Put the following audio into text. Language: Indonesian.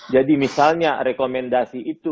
jadi misalnya rekomendasi itu